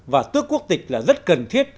và tước quốc tịch là rất cần thiết